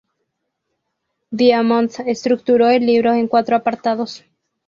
Diamond estructuró el libro en cuatro apartados.